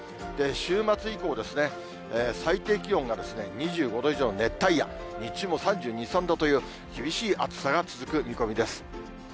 週末以降ですね、最低気温が２５度以上の熱帯夜、日中も３２、３度という厳しい暑さが続く見込みです。